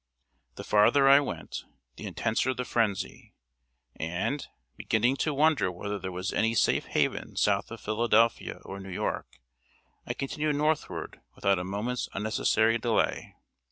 The farther I went, the intenser the frenzy; and, beginning to wonder whether there was any safe haven south of Philadelphia or New York, I continued northward without a moment's unnecessary delay.